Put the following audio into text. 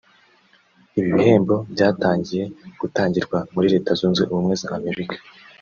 Ibi bihembo byatangiye gutangirwa muri Leta Zunze Ubumwe za Amerika